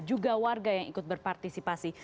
juga warga yang ikut berpartisipasi